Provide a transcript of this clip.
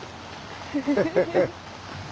フフフッ。